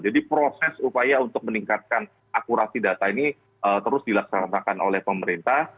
jadi proses upaya untuk meningkatkan akurasi data ini terus dilaksanakan oleh pemerintah